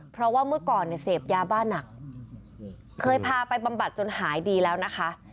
เพราะว่าเมื่อก่อนเนี่ยเสพยาบ้านหนักเคยพาไปบำบัดจนหายดีแล้วนะคะ